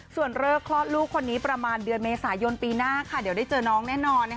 ส่วนเลิกคลอดลูกคนนี้ประมาณเดือนเมษายนปีหน้าค่ะเดี๋ยวได้เจอน้องแน่นอน